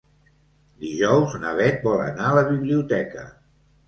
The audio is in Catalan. Dijous na Bet vol anar a la biblioteca.